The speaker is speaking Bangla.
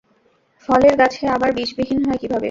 ফলের গাছে আবার বীজবিহীন হয় কীভাবে?